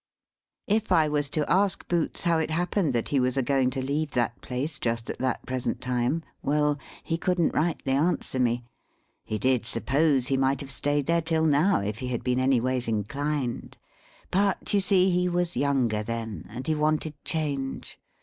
If I was to ask Boots how it happened that he was a going to leave that place just at that present time, well, he couldn't rightly answer me. He did suppose he might have stayed there till now if he had been anyways inclined. But, you see, he was younger then, and he wanted change.